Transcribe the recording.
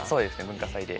文化祭で。